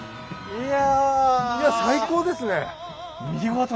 いや！